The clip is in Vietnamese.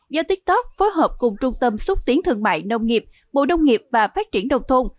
do tiktok phối hợp cùng trung tâm xúc tiến thương mại nông nghiệp bộ đông nghiệp và phát triển đồng thôn